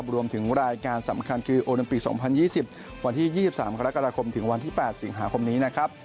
รวมถึงรายการสำคัญคือโอลิมปิก๒๐๒๐วันที่๒๓กรกฎาคมถึงวันที่๘สิงหาคมนี้นะครับ